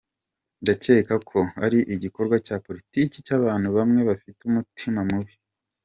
Ndakeka ko ari igikorwa cya politiki y’abantu bamwe bafite umutima mubi.”